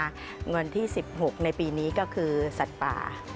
วันที่๑๖ในปีนี้ก็คือสัตว์ป่า